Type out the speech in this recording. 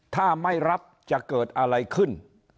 ถ้าไม่รับจะเกิดอะไรขึ้น